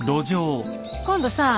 今度さ